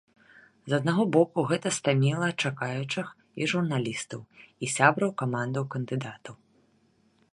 З аднаго боку, гэта стаміла чакаючых, і журналістаў, і сябраў камандаў кандыдатаў.